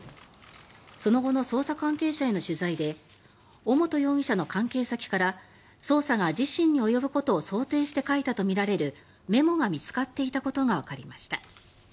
その後の捜査関係者への取材で尾本容疑者の関係先から捜査が自身に及ぶことを想定して書いたとみられるメモが見つかっていたことがわかりました。